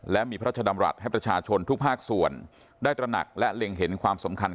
และมีพระราชดำรัฐให้ประชาชนทุกภาคส่วนได้ตระหนักและเล็งเห็นความสำคัญ